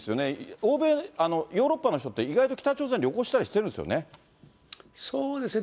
欧米、ヨーロッパの人って意外と北朝鮮、旅行したりしてるんですそうですね。